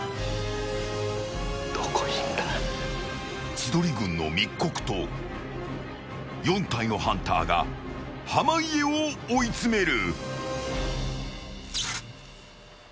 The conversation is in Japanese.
千鳥軍の密告と４体のハンターが濱家を追い詰める。